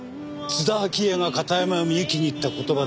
津田明江が片山みゆきに言った言葉ですよ。